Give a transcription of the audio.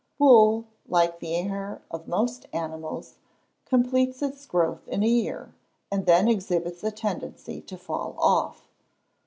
Wool, like the hair of most animals, completes its growth in a year, and then exhibits a tendency to fall off.